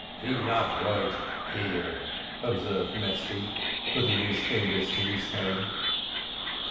"He not right here," observed Mesty, putting his fingers to his head.